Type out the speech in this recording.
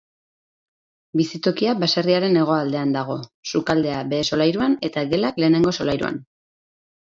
Bizitokia baserriaren hegoaldean dago: sukaldea behe-solairuan eta gelak lehenengo solairuan.